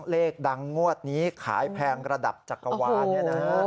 เลขดังงวดนี้ขายแพงระดับจักรวาลเนี่ยนะฮะ